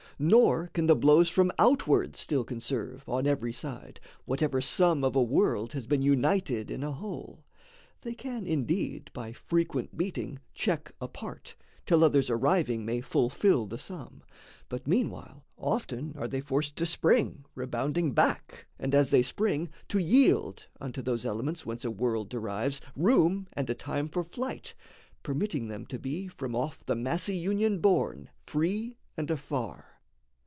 Nor can the blows from outward still conserve, On every side, whatever sum of a world Has been united in a whole. They can Indeed, by frequent beating, check a part, Till others arriving may fulfil the sum; But meanwhile often are they forced to spring Rebounding back, and, as they spring, to yield, Unto those elements whence a world derives, Room and a time for flight, permitting them To be from off the massy union borne Free and afar.